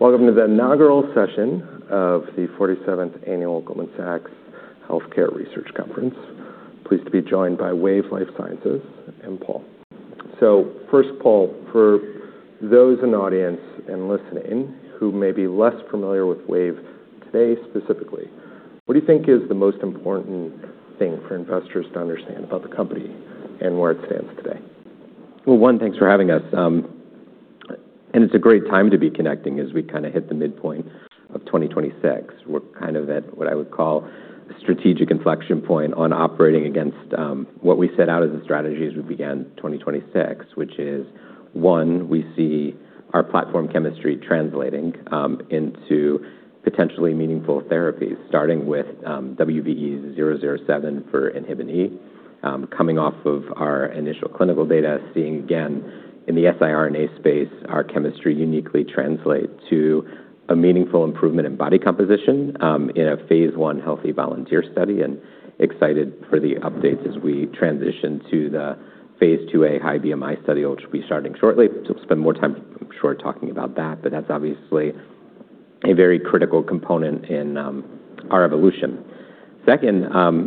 Welcome to the inaugural session of the 47th Annual Goldman Sachs Healthcare Research Conference. Pleased to be joined by Wave Life Sciences and Paul. First, Paul, for those in the audience and listening who may be less familiar with Wave today specifically, what do you think is the most important thing for investors to understand about the company and where it stands today? Well, one, thanks for having us. It's a great time to be connecting as we hit the midpoint of 2026. We're at what I would call a strategic inflection point on operating against what we set out as a strategy as we began 2026, which is, one, we see our platform chemistry translating into potentially meaningful therapies, starting with WVE-007 for inhibin E, coming off of our initial clinical data, seeing again in the siRNA space, our chemistry uniquely translate to a meaningful improvement in body composition in a phase I healthy volunteer study, and excited for the updates as we transition to the phase II-A high BMI study, which will be starting shortly. We'll spend more time, I'm sure, talking about that, but that's obviously a very critical component in our evolution. Second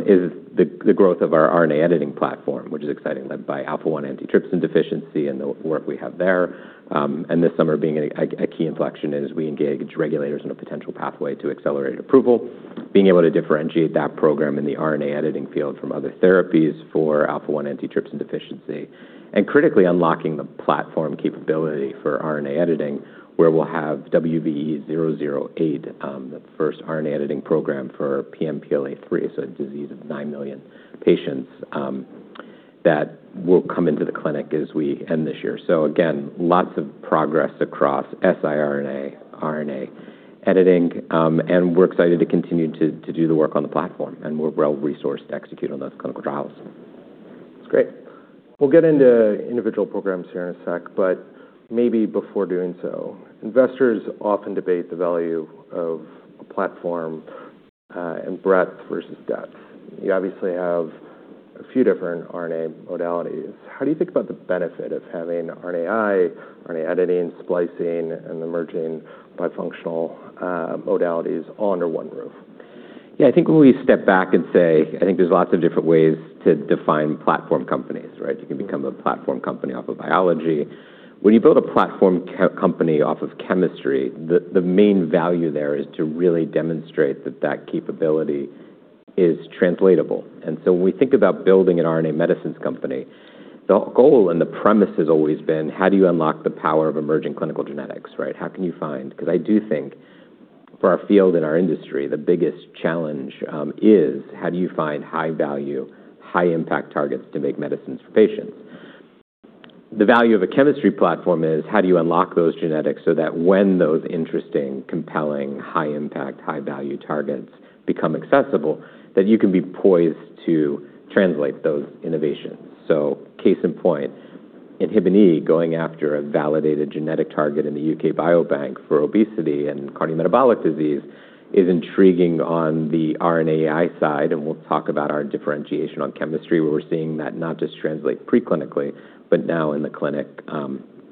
is the growth of our RNA editing platform, which is exciting, led by alpha-1 antitrypsin deficiency and the work we have there, and this summer being a key inflection as we engage regulators in a potential pathway to accelerated approval, being able to differentiate that program in the RNA editing field from other therapies for alpha-1 antitrypsin deficiency, and critically unlocking the platform capability for RNA editing, where we'll have WVE-008, the first RNA editing program for PNPLA3, a disease of nine million patients that will come into the clinic as we end this year. Again, lots of progress across siRNA, RNA editing, and we're excited to continue to do the work on the platform, and we're well-resourced to execute on those clinical trials. That's great. We'll get into individual programs here in a sec, maybe before doing so, investors often debate the value of a platform and breadth versus depth. You obviously have a few different RNA modalities. How do you think about the benefit of having RNAi, RNA editing, splicing, and emerging bifunctional modalities all under one roof? Yeah, I think when we step back and say, I think there's lots of different ways to define platform companies, right? You can become a platform company off of biology. When you build a platform company off of chemistry, the main value there is to really demonstrate that that capability is translatable. When we think about building an RNA medicines company, the goal and the premise has always been how do you unlock the power of emerging clinical genetics, right? Because I do think for our field and our industry, the biggest challenge is how do you find high-value, high-impact targets to make medicines for patients. The value of a chemistry platform is how do you unlock those genetics so that when those interesting, compelling, high-impact, high-value targets become accessible, that you can be poised to translate those innovations. Case in point, inhibin E going after a validated genetic target in the U.K. Biobank for obesity and cardiometabolic disease is intriguing on the RNAi side, and we'll talk about our differentiation on chemistry, where we're seeing that not just translate pre-clinically, but now in the clinic,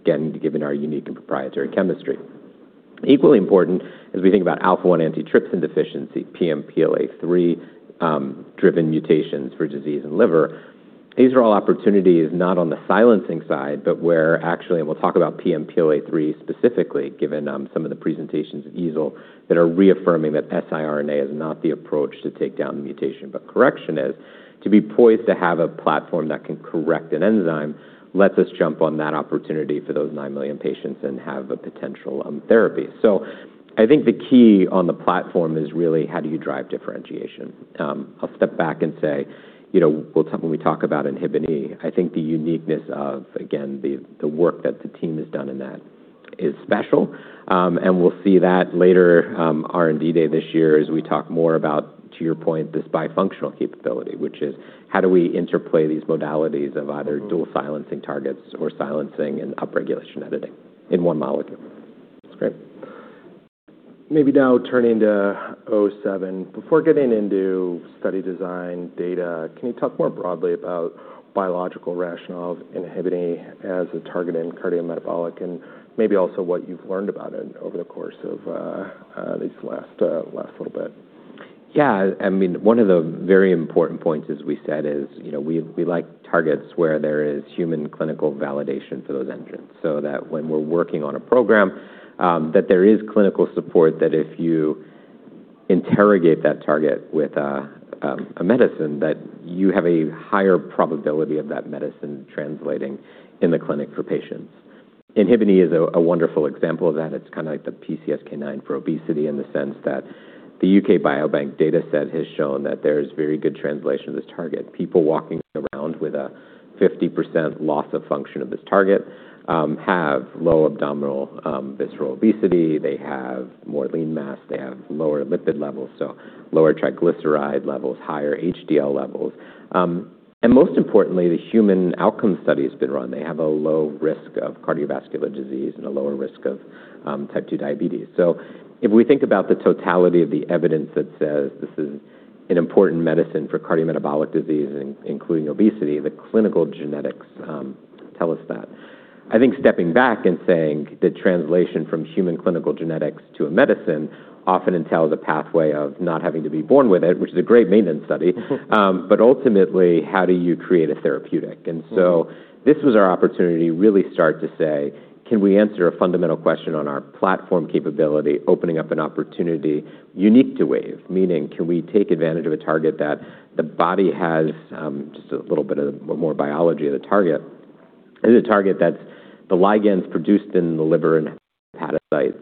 again, given our unique and proprietary chemistry. Equally important, as we think about alpha-1 antitrypsin deficiency, PNPLA3-driven mutations for disease in liver, these are all opportunities not on the silencing side, but where actually, and we'll talk about PNPLA3 specifically, given some of the presentations at EASL that are reaffirming that siRNA is not the approach to take down the mutation, but correction is, to be poised to have a platform that can correct an enzyme lets us jump on that opportunity for those nine million patients and have a potential therapy. I think the key on the platform is really how do you drive differentiation. I'll step back and say, when we talk about inhibin E, I think the uniqueness of, again, the work that the team has done in that is special, and we'll see that later R&D day this year as we talk more about, to your point, this bifunctional capability, which is how do we interplay these modalities of either dual silencing targets or silencing and upregulation editing in one molecule. That's great. Maybe now turning to 007. Before getting into study design data, can you talk more broadly about biological rationale of inhibin E as a target in cardiometabolic, and maybe also what you've learned about it over the course of this last little bit? Yeah. One of the very important points, as we said, we like targets where there is human clinical validation for those genes, so that when we're working on a program, that there is clinical support that if you interrogate that target with a medicine, that you have a higher probability of that medicine translating in the clinic for patients. inhibin E is a wonderful example of that. It's like the PCSK9 for obesity in the sense that the UK Biobank data set has shown that there is very good translation of this target. People walking around with a 50% loss of function of this target have low abdominal visceral obesity, they have more lean mass, they have lower lipid levels, so lower triglyceride levels, higher HDL levels. Most importantly, the human outcome study has been run. They have a low risk of cardiovascular disease and a lower risk of type 2 diabetes. If we think about the totality of the evidence that says this is an important medicine for cardiometabolic disease, including obesity. The clinical genetics tell us that. I think stepping back and saying the translation from human clinical genetics to a medicine often entails a pathway of not having to be born with it, which is a great maintenance study. Ultimately, how do you create a therapeutic? This was our opportunity to really start to say, can we answer a fundamental question on our platform capability, opening up an opportunity unique to Wave, meaning can we take advantage of a target that the body has just a little bit of more biology of the target. This is a target that's the ligand's produced in the liver and hepatocytes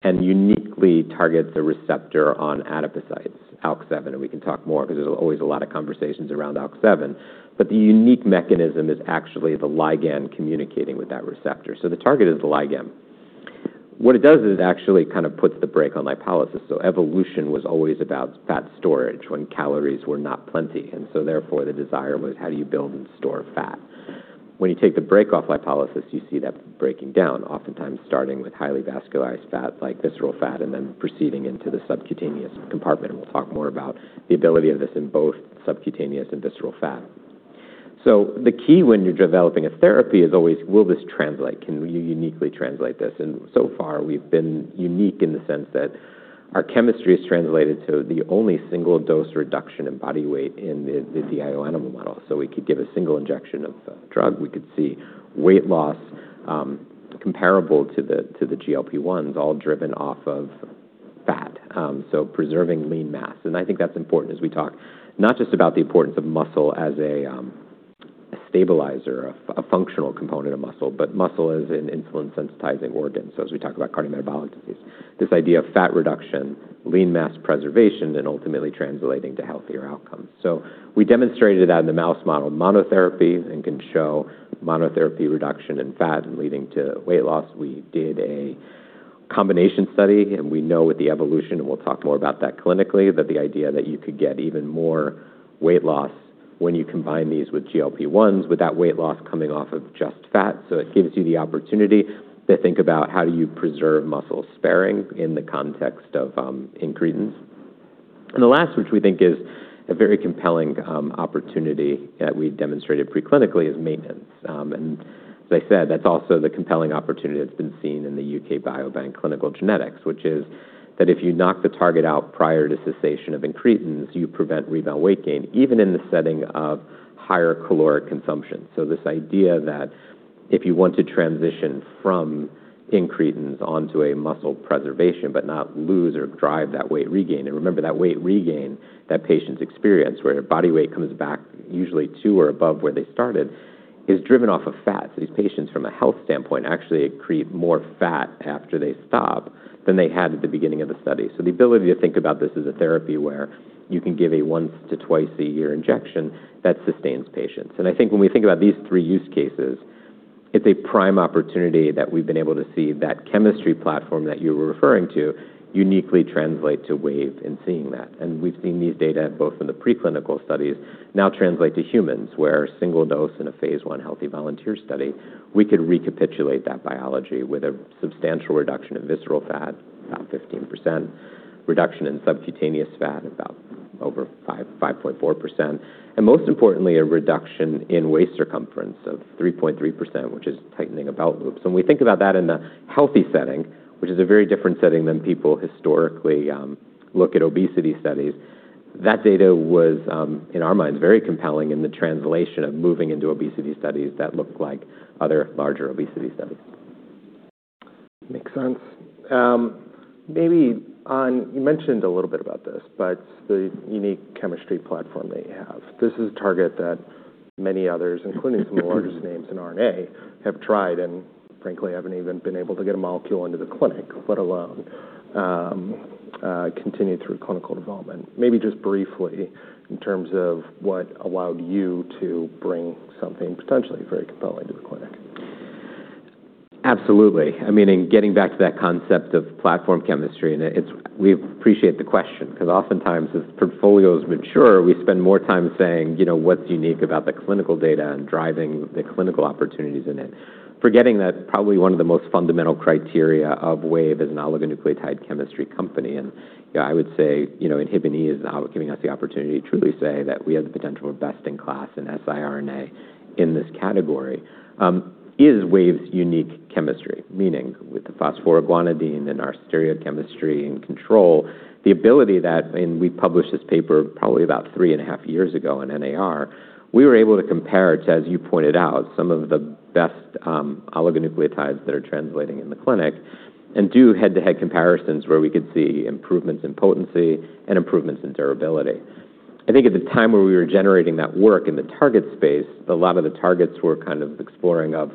and uniquely targets a receptor on adipocytes, ALK7, and we can talk more because there's always a lot of conversations around ALK7. The unique mechanism is actually the ligand communicating with that receptor. The target is the ligand. What it does is it actually kind of puts the brake on lipolysis. Evolution was always about fat storage when calories were not plenty, therefore the desire was how do you build and store fat? When you take the brake off lipolysis, you see that breaking down, oftentimes starting with highly vascularized fat like visceral fat, and then proceeding into the subcutaneous compartment, and we'll talk more about the ability of this in both subcutaneous and visceral fat. The key when you're developing a therapy is always will this translate? Can we uniquely translate this? So far, we've been unique in the sense that our chemistry is translated to the only single-dose reduction in body weight in the DIO animal model. We could give a single injection of the drug. We could see weight loss comparable to the GLP-1s all driven off of fat, so preserving lean mass. I think that's important as we talk not just about the importance of muscle as a stabilizer, a functional component of muscle, but muscle as an insulin-sensitizing organ. As we talk about cardiometabolic disease, this idea of fat reduction, lean mass preservation, and ultimately translating to healthier outcomes. We demonstrated that in the mouse model monotherapy and can show monotherapy reduction in fat leading to weight loss. We did a combination study. We know with the evolution, we'll talk more about that clinically, that the idea that you could get even more weight loss when you combine these with GLP-1s with that weight loss coming off of just fat. It gives you the opportunity to think about how do you preserve muscle sparing in the context of incretins. The last, which we think is a very compelling opportunity that we've demonstrated preclinically, is maintenance. As I said, that's also the compelling opportunity that's been seen in the UK Biobank clinical genetics, which is that if you knock the target out prior to cessation of incretins, you prevent rebound weight gain, even in the setting of higher caloric consumption. This idea that if you want to transition from incretins onto a muscle preservation, but not lose or drive that weight regain. Remember that weight regain that patients experience where their body weight comes back usually to or above where they started, is driven off of fat. These patients, from a health standpoint, actually accrete more fat after they stop than they had at the beginning of the study. The ability to think about this as a therapy where you can give a once to twice a year injection that sustains patients. I think when we think about these three use cases, it's a prime opportunity that we've been able to see that chemistry platform that you were referring to uniquely translate to Wave in seeing that. We've seen these data both in the preclinical studies now translate to humans, where single dose in a phase I healthy volunteer study, we could recapitulate that biology with a substantial reduction in visceral fat, about 15%, reduction in subcutaneous fat, about over 5.4%, and most importantly, a reduction in waist circumference of 3.3%, which is tightening of belt loops. We think about that in the healthy setting, which is a very different setting than people historically look at obesity studies. That data was, in our minds, very compelling in the translation of moving into obesity studies that looked like other larger obesity studies. Makes sense. Maybe you mentioned a little bit about this, the unique chemistry platform that you have. This is a target that many others, including some of the largest names in RNA, have tried and frankly, haven't even been able to get a molecule into the clinic, let alone continue through clinical development. Maybe just briefly, in terms of what allowed you to bring something potentially very compelling to the clinic. Absolutely. I mean, getting back to that concept of platform chemistry, we appreciate the question because oftentimes as portfolios mature, we spend more time saying, what's unique about the clinical data and driving the clinical opportunities in it, forgetting that probably one of the most fundamental criteria of Wave as an oligonucleotide chemistry company, I would say inhibin E is now giving us the opportunity to truly say that we have the potential of best in class in siRNA in this category, is Wave's unique chemistry, meaning with the phosphorodiamidite and our stereochemistry and control, the ability that, and we published this paper probably about three and a half years ago in NAR, we were able to compare it to, as you pointed out, some of the best oligonucleotides that are translating in the clinic and do head-to-head comparisons where we could see improvements in potency and improvements in durability. I think at the time where we were generating that work in the target space, a lot of the targets were kind of exploring of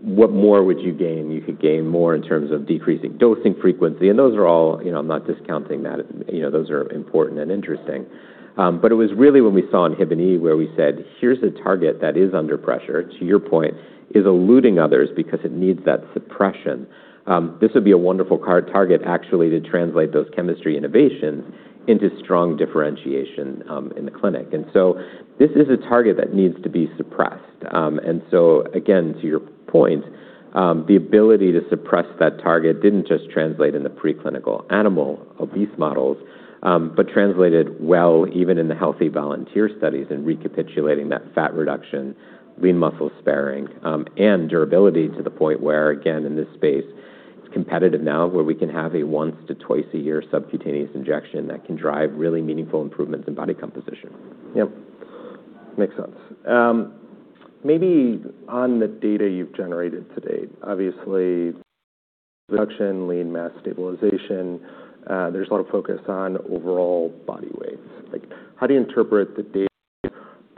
what more would you gain? You could gain more in terms of decreasing dosing frequency. I'm not discounting that. Those are important and interesting. It was really when we saw inhibin E where we said, here's a target that is under pressure, to your point, is eluding others because it needs that suppression. This would be a wonderful target, actually, to translate those chemistry innovations into strong differentiation in the clinic. This is a target that needs to be suppressed. Again, to your point, the ability to suppress that target didn't just translate in the preclinical animal obese models, but translated well even in the healthy volunteer studies in recapitulating that fat reduction, lean muscle sparing, and durability to the point where, again, in this space. It's competitive now where we can have a once to twice a year subcutaneous injection that can drive really meaningful improvements in body composition. Yep. Makes sense. Maybe on the data you've generated to date, obviously reduction, lean mass stabilization, there's a lot of focus on overall body weight. How do you interpret the data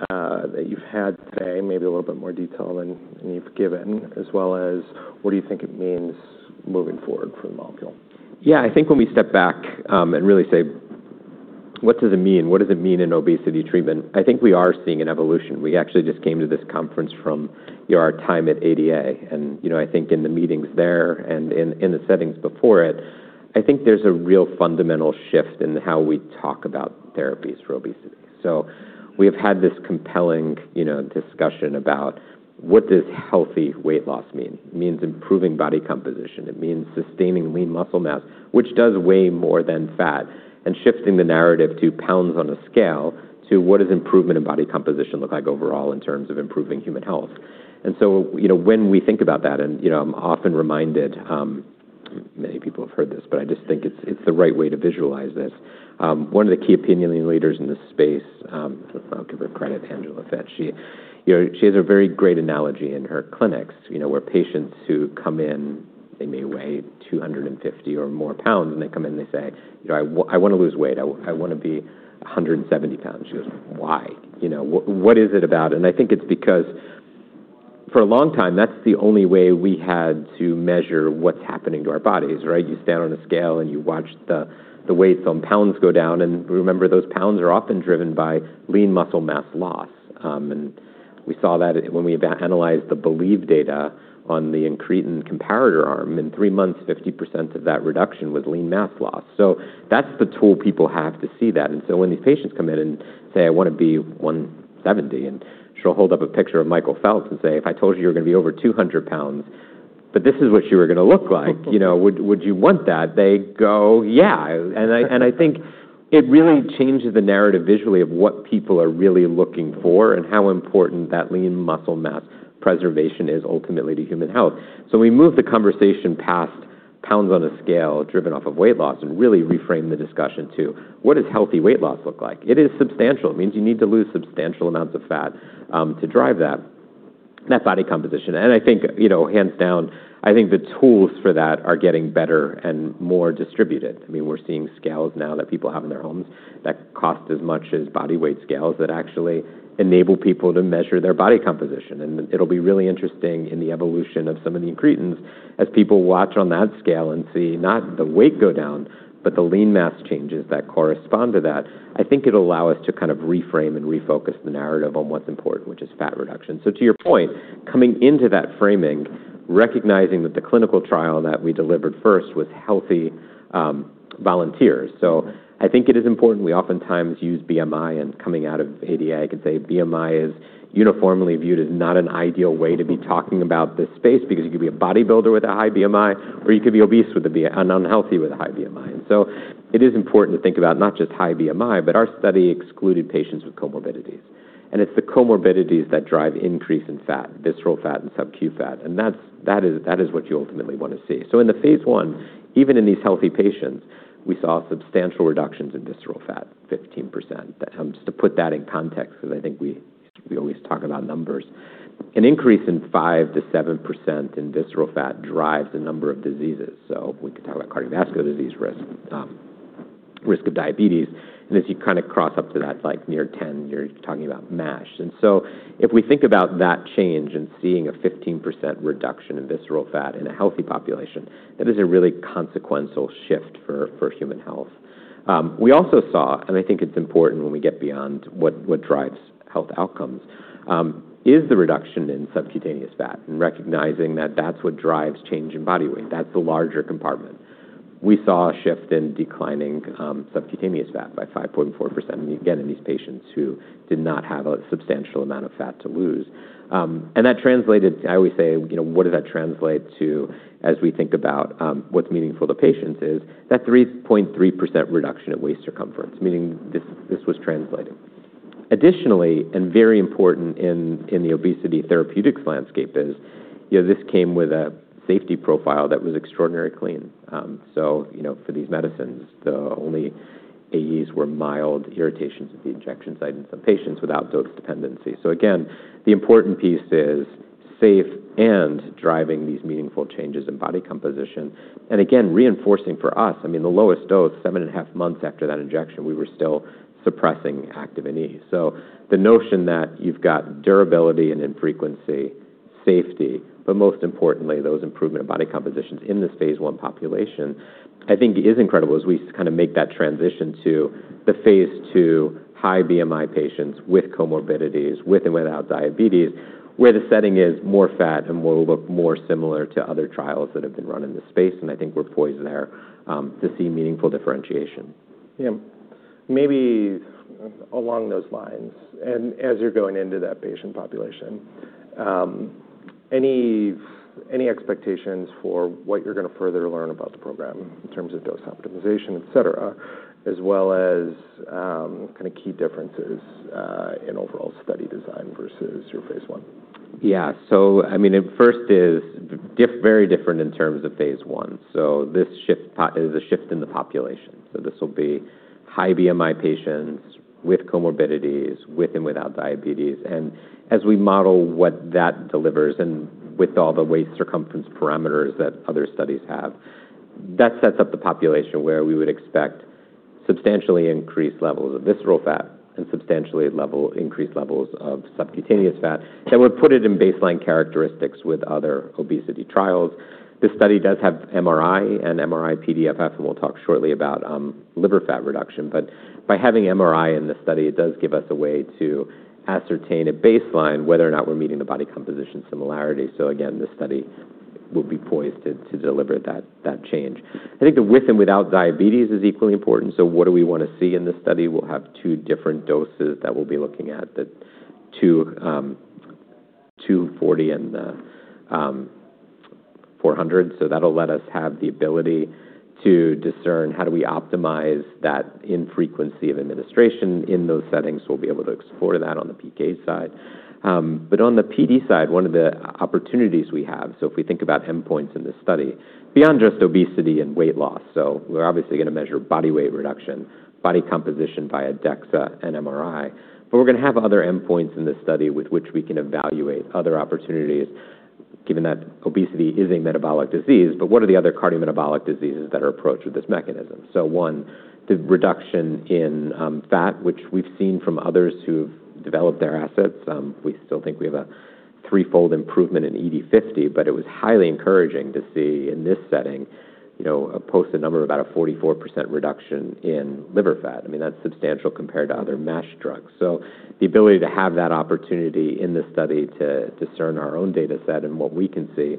that you've had to say, maybe a little bit more detail than you've given, as well as what do you think it means moving forward for the molecule? Yeah. I think when we step back and really say, what does it mean? What does it mean in obesity treatment? I think we are seeing an evolution. We actually just came to this conference from our time at ADA, and I think in the meetings there and in the settings before it, I think there's a real fundamental shift in how we talk about therapies for obesity. We have had this compelling discussion about what does healthy weight loss mean. It means improving body composition. It means sustaining lean muscle mass, which does weigh more than fat, and shifting the narrative to pounds on a scale to what does improvement in body composition look like overall in terms of improving human health. When we think about that, and I'm often reminded, many people have heard this, but I just think it's the right way to visualize this. One of the key opinion leaders in this space, I'll give her credit, Angela Fitch, she has a very great analogy in her clinics, where patients who come in, they may weigh 250 or more pounds, and they come in, they say, "I want to lose weight. I want to be 170 pounds." She goes, "Why?" What is it about? I think it's because for a long time, that's the only way we had to measure what's happening to our bodies, right? You stand on a scale, and you watch the weights on pounds go down, and remember, those pounds are often driven by lean muscle mass loss. We saw that when we analyzed the BELIEVE data on the incretin comparator arm. In three months, 50% of that reduction was lean mass loss. That's the tool people have to see that, when these patients come in and say, "I want to be 170," and she'll hold up a picture of Michael Phelps and say, "If I told you were going to be over 200 pounds, but this is what you were going to look like, would you want that?" They go, "Yeah." I think it really changes the narrative visually of what people are really looking for and how important that lean muscle mass preservation is ultimately to human health. We move the conversation past pounds on a scale driven off of weight loss and really reframe the discussion to what does healthy weight loss look like. It is substantial. It means you need to lose substantial amounts of fat to drive that body composition. I think, hands down, I think the tools for that are getting better and more distributed. We're seeing scales now that people have in their homes that cost as much as body weight scales that actually enable people to measure their body composition. It'll be really interesting in the evolution of some of the incretins as people watch on that scale and see not the weight go down, but the lean mass changes that correspond to that. I think it'll allow us to kind of reframe and refocus the narrative on what's important, which is fat reduction. To your point, coming into that framing, recognizing that the clinical trial that we delivered first was healthy volunteers. I think it is important, we oftentimes use BMI, coming out of ADA, I can say BMI is uniformly viewed as not an ideal way to be talking about this space because you could be a bodybuilder with a high BMI, or you could be obese and unhealthy with a high BMI. It is important to think about not just high BMI, but our study excluded patients with comorbidities. It is the comorbidities that drive increase in fat, visceral fat and subcu fat, and that is what you ultimately want to see. In the phase I, even in these healthy patients, we saw substantial reductions in visceral fat, 15%. To put that in context, because I think we always talk about numbers, an increase in 5% - 7% in visceral fat drives a number of diseases. We could talk about cardiovascular disease risk of diabetes, as you kind of cross up to that near 10, you're talking about MASH. If we think about that change and seeing a 15% reduction in visceral fat in a healthy population, that is a really consequential shift for human health. We also saw, I think it's important when we get beyond what drives health outcomes, is the reduction in subcutaneous fat and recognizing that that's what drives change in body weight. That's the larger compartment. We saw a shift in declining subcutaneous fat by 5.4%, again, in these patients who did not have a substantial amount of fat to lose. That translated, I always say, what did that translate to as we think about what's meaningful to patients is that 3.3% reduction in waist circumference, meaning this was translating. Additionally, very important in the obesity therapeutics landscape is, this came with a safety profile that was extraordinarily clean. For these medicines, the only AEs were mild irritations at the injection site in some patients without dose dependency. Again, the important piece is safe and driving these meaningful changes in body composition. Again, reinforcing for us, the lowest dose, seven and a half months after that injection, we were still suppressing Activin E. The notion that you've got durability and infrequency, safety, most importantly, those improvement of body compositions in this phase I population, I think is incredible as we make that transition to the phase II high BMI patients with comorbidities, with and without diabetes, where the setting is more fat and will look more similar to other trials that have been run in this space, I think we're poised there to see meaningful differentiation. Maybe along those lines, as you're going into that patient population. Any expectations for what you're going to further learn about the program in terms of dose optimization, et cetera, as well as key differences in overall study design versus your phase I? Yeah. First is very different in terms of phase I. This is a shift in the population. This will be high BMI patients with comorbidities, with and without diabetes. As we model what that delivers and with all the waist circumference parameters that other studies have, that sets up the population where we would expect substantially increased levels of visceral fat and substantially increased levels of subcutaneous fat that would put it in baseline characteristics with other obesity trials. This study does have MRI and MRI-PDFF, and we'll talk shortly about liver fat reduction. By having MRI in this study, it does give us a way to ascertain a baseline whether or not we're meeting the body composition similarity. Again, this study will be poised to deliver that change. I think the with and without diabetes is equally important. What do we want to see in this study? We'll have two different doses that we'll be looking at, the 240 and the 400. That'll let us have the ability to discern how do we optimize that infrequency of administration in those settings. We'll be able to explore that on the PK side. On the PD side, one of the opportunities we have, so if we think about endpoints in this study, beyond just obesity and weight loss. We're obviously going to measure body weight reduction, body composition via DEXA and MRI, but we're going to have other endpoints in this study with which we can evaluate other opportunities, given that obesity is a metabolic disease. What are the other cardiometabolic diseases that are approached with this mechanism? One, the reduction in fat, which we've seen from others who've developed their assets. We still think we have a threefold improvement in ED50, but it was highly encouraging to see in this setting, a posted number of about a 44% reduction in liver fat. That's substantial compared to other MASH drugs. The ability to have that opportunity in this study to discern our own data set and what we can see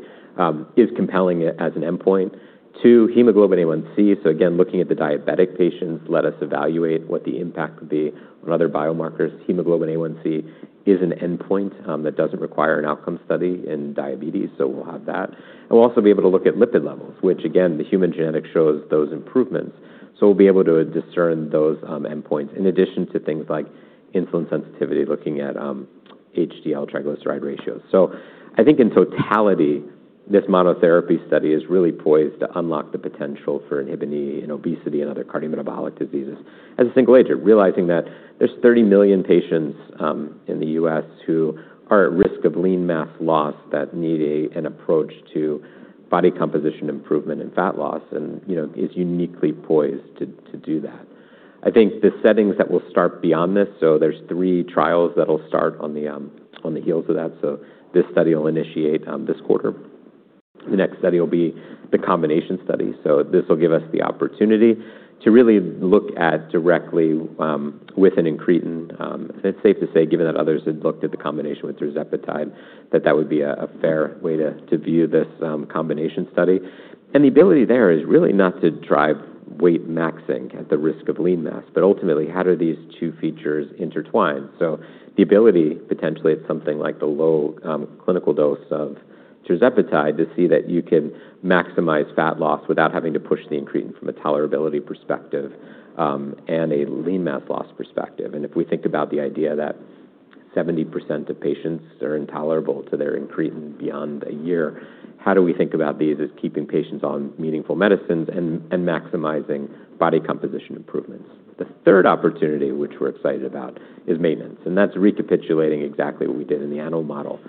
is compelling as an endpoint to hemoglobin A1c. Again, looking at the diabetic patients let us evaluate what the impact could be on other biomarkers. Hemoglobin A1c is an endpoint that doesn't require an outcome study in diabetes, so we'll have that. We'll also be able to look at lipid levels, which again, the human genetic shows those improvements. We'll be able to discern those endpoints in addition to things like insulin sensitivity, looking at HDL triglyceride ratios. I think in totality, this monotherapy study is really poised to unlock the potential for inhibin E in obesity and other cardiometabolic diseases as a single agent, realizing that there's 30 million patients in the U.S. who are at risk of lean mass loss that need an approach to body composition improvement and fat loss and is uniquely poised to do that. I think the settings that will start beyond this, there's three trials that'll start on the heels of that. This study will initiate this quarter. The next study will be the combination study. This will give us the opportunity to really look at directly with an incretin. It's safe to say, given that others had looked at the combination with tirzepatide, that that would be a fair way to view this combination study. The ability there is really not to drive weight maxing at the risk of lean mass, but ultimately, how do these two features intertwine? The ability, potentially, at something like the low clinical dose of tirzepatide, to see that you can maximize fat loss without having to push the incretin from a tolerability perspective and a lean mass loss perspective. If we think about the idea that 70% of patients are intolerable to their incretin beyond a year, how do we think about these as keeping patients on meaningful medicines and maximizing body composition improvements? The third opportunity, which we're excited about, is maintenance, that's recapitulating exactly what we did in the animal model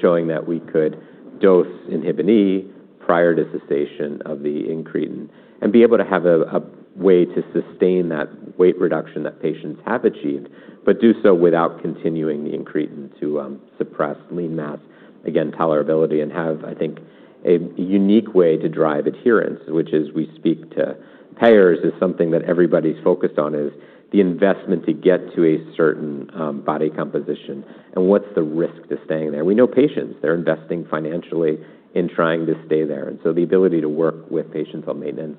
showing that we could dose inhibin E prior to cessation of the incretin and be able to have a way to sustain that weight reduction that patients have achieved, but do so without continuing the incretin to suppress lean mass, again, tolerability, have, I think, a unique way to drive adherence, which as we speak to payers is something that everybody's focused on, is the investment to get to a certain body composition and what's the risk to staying there. We know patients, they're investing financially in trying to stay there, the ability to work with patients on maintenance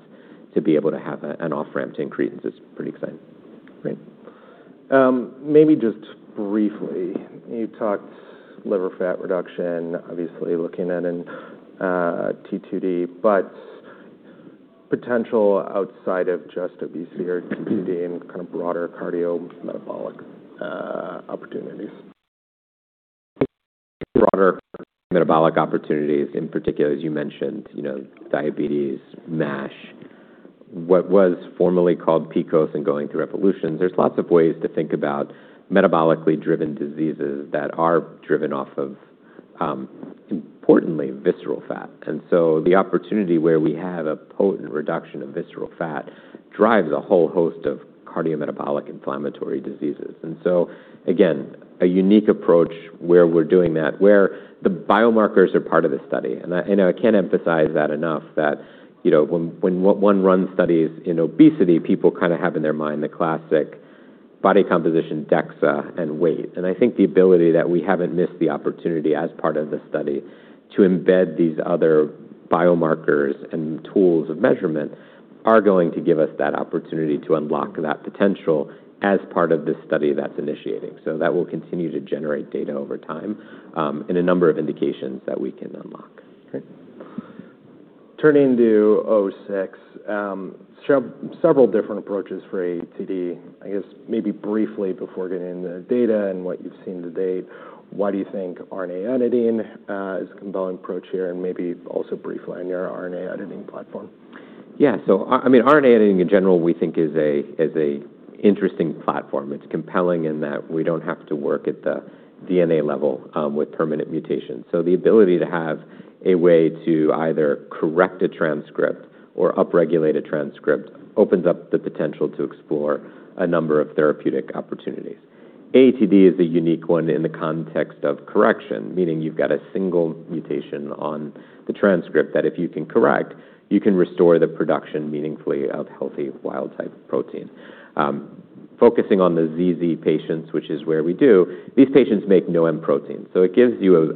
to be able to have an off-ramp to incretins is pretty exciting. Great. Maybe just briefly, you talked liver fat reduction, obviously looking at in T2D, but potential outside of just obesity or T2D kind of broader cardiometabolic opportunities. Broader metabolic opportunities, in particular, as you mentioned, diabetes, MASH, what was formerly called PCOS and going through evolutions. There's lots of ways to think about metabolically driven diseases that are driven off of, importantly, visceral fat. The opportunity where we have a potent reduction of visceral fat drives a whole host of cardiometabolic inflammatory diseases. Again, a unique approach where we're doing that, where the biomarkers are part of the study. I can't emphasize that enough that when one runs studies in obesity, people have in their mind the classic body composition, DEXA, and weight. I think the ability that we haven't missed the opportunity as part of the study to embed these other biomarkers and tools of measurement are going to give us that opportunity to unlock that potential as part of this study that's initiating. That will continue to generate data over time in a number of indications that we can unlock. Great. Turning to WVE-006, several different approaches for AATD. I guess maybe briefly before getting into the data and what you've seen to date, why do you think RNA editing is a compelling approach here, and maybe also briefly on your RNA editing platform? Yeah. RNA editing in general, we think is an interesting platform. It's compelling in that we don't have to work at the DNA level with permanent mutations. The ability to have a way to either correct a transcript or up-regulate a transcript opens up the potential to explore a number of therapeutic opportunities. AATD is a unique one in the context of correction, meaning you've got a single mutation on the transcript that if you can correct, you can restore the production meaningfully of healthy wild type protein. Focusing on the ZZ patients, which is where we do, these patients make no M protein. It gives you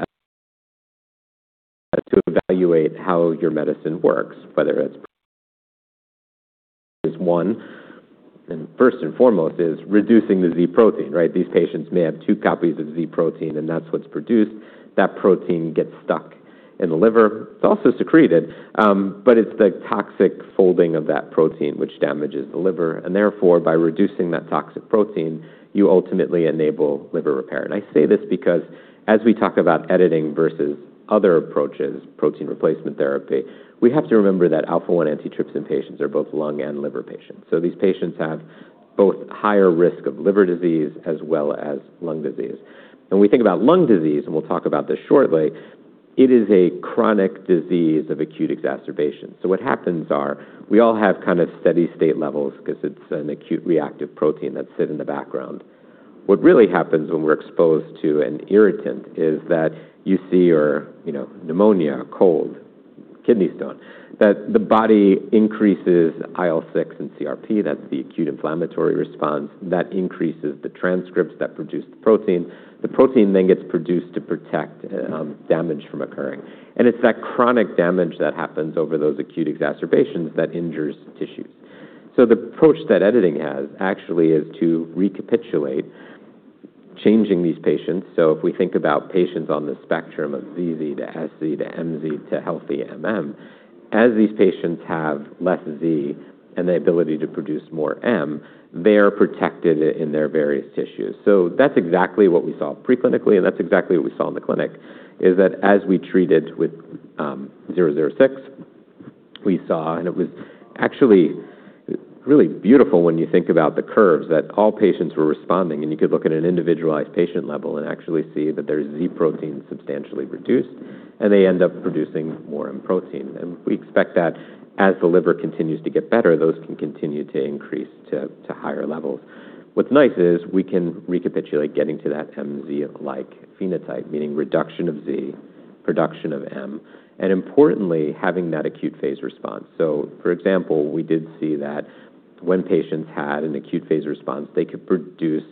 to evaluate how your medicine works, whether it's one, and first and foremost is reducing the Z protein. These patients may have two copies of Z protein, and that's what's produced. That protein gets stuck in the liver. It's also secreted, but it's the toxic folding of that protein which damages the liver. Therefore, by reducing that toxic protein, you ultimately enable liver repair. I say this because as we talk about editing versus other approaches, protein replacement therapy, we have to remember that alpha-1 antitrypsin patients are both lung and liver patients. These patients have both higher risk of liver disease as well as lung disease. When we think about lung disease, and we'll talk about this shortly, it is a chronic disease of acute exacerbation. What happens are we all have kind of steady state levels because it's an acute reactive protein that sit in the background. What really happens when we're exposed to an irritant is that you see your pneumonia, cold, kidney stone, that the body increases IL-6 and CRP. That's the acute inflammatory response that increases the transcripts that produce the protein. The protein then gets produced to protect damage from occurring. It's that chronic damage that happens over those acute exacerbations that injures tissues. The approach that editing has actually is to recapitulate changing these patients. If we think about patients on the spectrum of ZZ to SZ to MZ to healthy MM, as these patients have less Z and the ability to produce more M, they are protected in their various tissues. That's exactly what we saw pre-clinically, and that's exactly what we saw in the clinic, is that as we treated with WVE-006, we saw, and it was actually really beautiful when you think about the curves, that all patients were responding, and you could look at an individualized patient level and actually see that their Z protein substantially reduced, and they end up producing more M protein. We expect that as the liver continues to get better, those can continue to increase to higher levels. What's nice is we can recapitulate getting to that MZ-like phenotype, meaning reduction of Z, production of M, and importantly, having that acute phase response. For example, we did see that when patients had an acute phase response, they could produce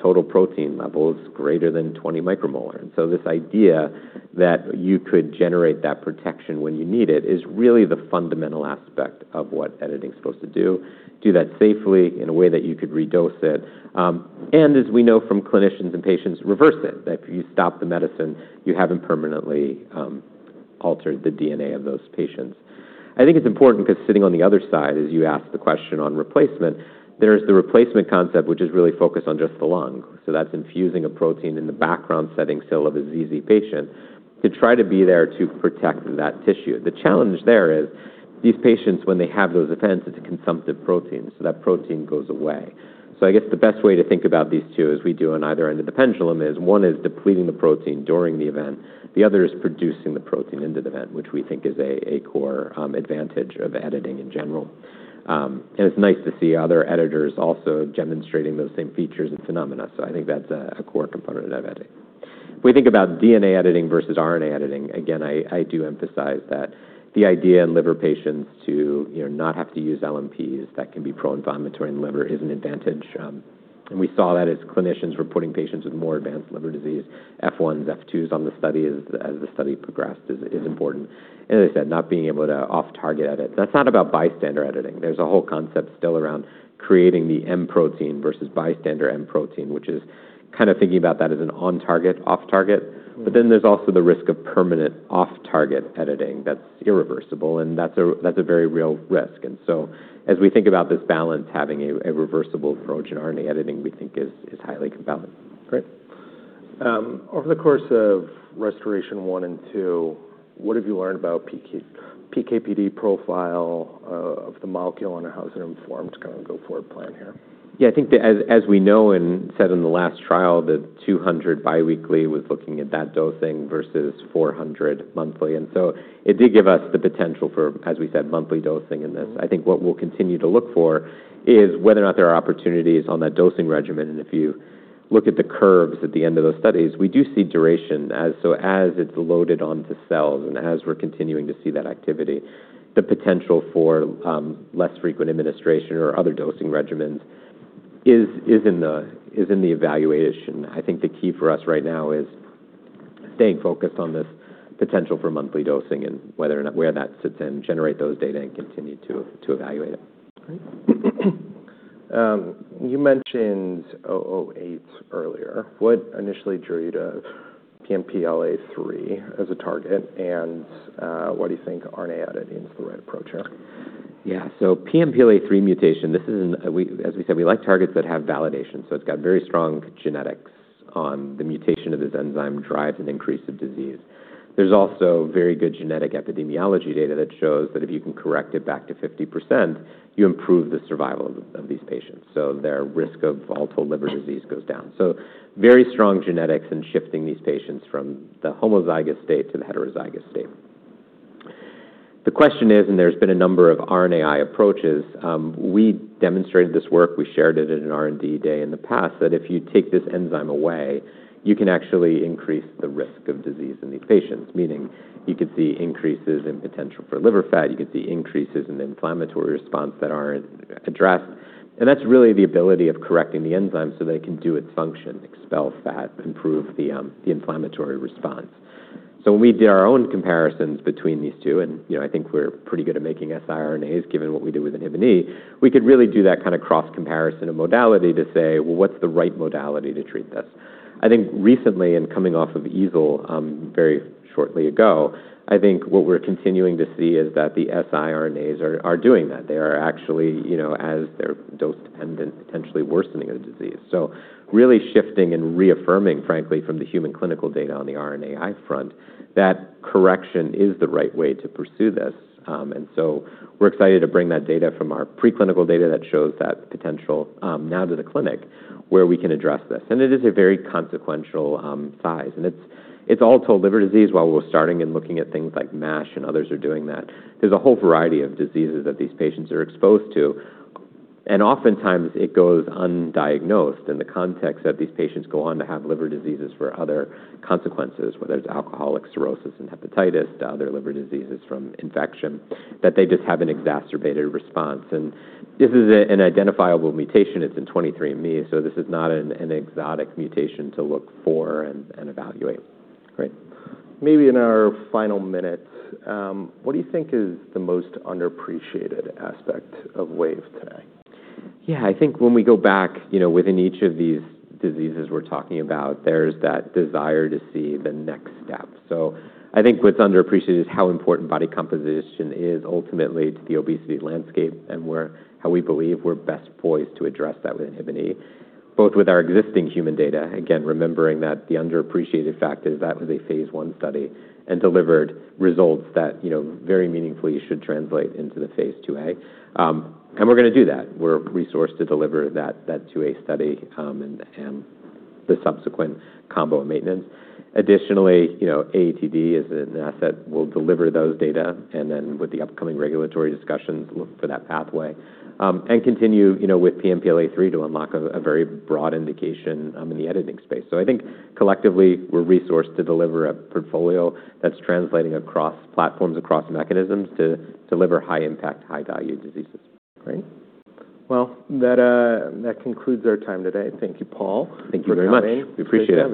total protein levels greater than 20 micromolar. This idea that you could generate that protection when you need it is really the fundamental aspect of what editing is supposed to do that safely in a way that you could redose it. As we know from clinicians and patients, reverse it, that if you stop the medicine, you haven't permanently altered the DNA of those patients. I think it's important because sitting on the other side, as you asked the question on replacement, there's the replacement concept, which is really focused on just the lung. That's infusing a protein in the background setting cell of a ZZ patient to try to be there to protect that tissue. The challenge there is these patients, when they have those events, it's a consumptive protein, so that protein goes away. I guess the best way to think about these two, as we do on either end of the pendulum, is one is depleting the protein during the event, the other is producing the protein in the event, which we think is a core advantage of editing in general. It's nice to see other editors also demonstrating those same features and phenomena. I think that's a core component of editing. If we think about DNA editing versus RNA editing, again, I do emphasize that the idea in liver patients to not have to use LNPs that can be pro-inflammatory in liver is an an advantage. We saw that as clinicians were putting patients with more advanced liver disease, F1, F2 on the study as the study progressed, is important. As I said, not being able to off-target edit. That's not about bystander editing. There's a whole concept still around creating the M protein versus bystander M protein, which is kind of thinking about that as an on-target/off-target. There's also the risk of permanent off-target editing that's irreversible, and that's a very real risk. As we think about this balance, having a reversible approach in RNA editing, we think is highly compelling. Great. Over the course of RestorAATion-one and two, what have you learned about PK/PD profile of the molecule and how has it informed kind of go forward plan here? I think as we know and said in the last trial, the 200 biweekly was looking at that dosing versus 400 monthly. It did give us the potential for, as we said, monthly dosing in this. I think what we'll continue to look for is whether or not there are opportunities on that dosing regimen. If you look at the curves at the end of those studies, we do see duration. As it's loaded onto cells and as we're continuing to see that activity, the potential for less frequent administration or other dosing regimens is in the evaluation. I think the key for us right now is staying focused on this potential for monthly dosing and where that sits in, generate those data, and continue to evaluate it. Great. You mentioned OO8 earlier. What initially drew you to PNPLA3 as a target, and why do you think RNA editing is the right approach here? PNPLA3 mutation, as we said, we like targets that have validation, it's got very strong genetics on the mutation of this enzyme drives an increase of disease. There's also very good genetic epidemiology data that shows that if you can correct it back to 50%, you improve the survival of these patients. Their risk of all-cause liver disease goes down. Very strong genetics in shifting these patients from the homozygous state to the heterozygous state. The question is, there's been a number of RNAi approaches, we demonstrated this work, we shared it at an R&D day in the past, that if you take this enzyme away, you can actually increase the risk of disease in these patients, meaning you could see increases in potential for liver fat, you could see increases in the inflammatory response that aren't addressed. That's really the ability of correcting the enzyme so that it can do its function, expel fat, improve the inflammatory response. When we did our own comparisons between these two, I think we're pretty good at making siRNAs given what we do with INHBE, we could really do that cross-comparison of modality to say, "Well, what's the right modality to treat this?" I think recently, coming off of EASL very shortly ago, I think what we're continuing to see is that the siRNAs are doing that. They are actually, as they're dose-dependent, potentially worsening the disease. Really shifting and reaffirming, frankly, from the human clinical data on the RNAi front, that correction is the right way to pursue this. We're excited to bring that data from our pre-clinical data that shows that potential now to the clinic where we can address this. It is a very consequential size. It's all-cause liver disease while we're starting and looking at things like MASH and others are doing that. There's a whole variety of diseases that these patients are exposed to, oftentimes it goes undiagnosed in the context that these patients go on to have liver diseases for other consequences, whether it's alcoholic cirrhosis and hepatitis to other liver diseases from infection, that they just have an exacerbated response. This is an identifiable mutation. It's in 23andMe, this is not an exotic mutation to look for and evaluate. Great. Maybe in our final minute, what do you think is the most underappreciated aspect of Wave Life Sciences today? Yeah. I think when we go back within each of these diseases we're talking about, there's that desire to see the next step. I think what's underappreciated is how important body composition is ultimately to the obesity landscape and how we believe we're best poised to address that with INHBE, both with our existing human data, again, remembering that the underappreciated fact is that was a phase I study and delivered results that very meaningfully should translate into the phase II-A. We're going to do that. We're resourced to deliver that 2A study, and the subsequent combo and maintenance. Additionally, AATD is an asset. We'll deliver those data, and then with the upcoming regulatory discussions, look for that pathway. Continue with PNPLA3 to unlock a very broad indication in the editing space. I think collectively, we're resourced to deliver a portfolio that's translating across platforms, across mechanisms to deliver high impact, high value diseases. Great. Well, that concludes our time today. Thank you, Paul. Thank you very much. for coming. We appreciate it.